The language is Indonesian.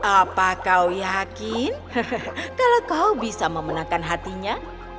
apa kau yakin kalau kau bisa memenangkan hatinya